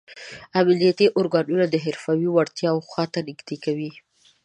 امنیتي ارګانونه د حرفوي وړتیاو خواته نه نږدې کوي.